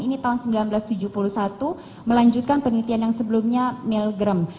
ini tahun seribu sembilan ratus tujuh puluh satu melanjutkan penelitian yang sebelumnya milgrem